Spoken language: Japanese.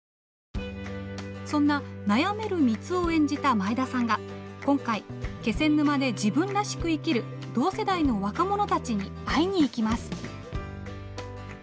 そんな悩める三生を演じた前田さんが今回気仙沼で自分らしく生きる同世代の若者たちに会いに行きます！